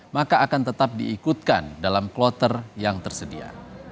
maka akan tetap diikutkan dalam kloter yang tersedia